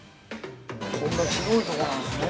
◆こんな広いところなんですね。